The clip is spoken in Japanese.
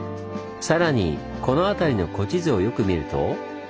さらにこの辺りの古地図をよく見ると。